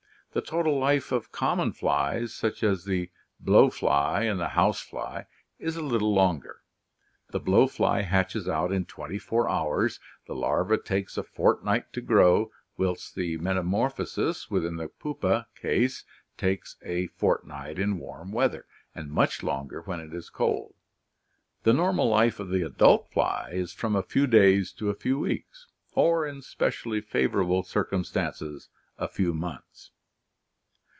"The total life of common flies such as the blow fly and the house fly is a little longer. The blow fly hatches out in twenty four hours, the larva takes a fort night to grow, whilst the metamorphosis within the pupa case takes a fortnight in warm weather, and much longer when it is cold. The normal life of the adult fly is from a few days to a few weeks, or in specially favorable circumstances, a few months.